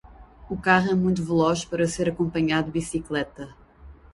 O carro é muito veloz para ser acompanhado de bicicleta.